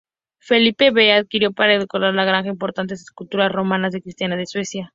Felipe V adquirió para decorar la Granja importantes esculturas romanas de Cristina de Suecia.